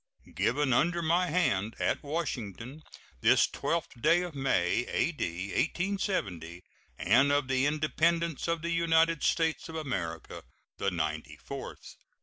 [SEAL.] Given under my hand, at Washington, this 12th day of May, A.D. 1870, and of the Independence of the United States of America the ninety fourth.